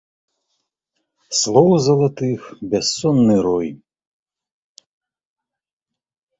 Слоў залатых бяссонны рой.